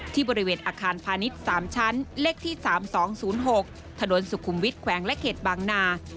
ที่บริเวณอาคารพาณิชย์๓ชั้นเลขที่๓๒๐๖ถนนสุขุมวิทย์แขวงและเขตบางนา